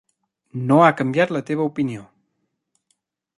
No ha canviat la teva opinió.